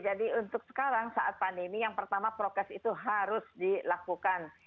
jadi untuk sekarang saat pandemi yang pertama progres itu harus dilakukan